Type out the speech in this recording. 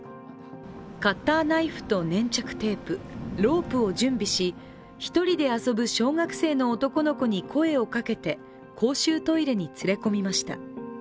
カッターナイフと粘着テープロープを準備し１人で遊ぶ小学生の男の子に声をかけて公衆トイレに連れ込みました。